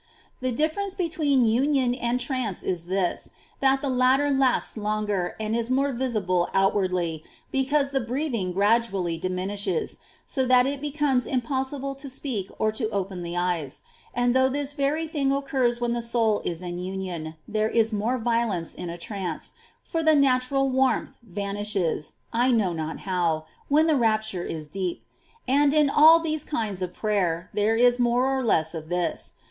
The difference between union and trance is this, that the latter lasts longer and is more visible outwardly, because the breathing gradually diminishes, so that it becomes impossible to speak or to open the eyes ; and though this very thing occurs when the soul is in union, there is more violence in a trance, for the natural warmth vanishes, I know not how, when the rapture is deep ; and in all these kinds of prayer there is more or less of this.